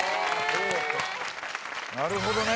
なるほどね。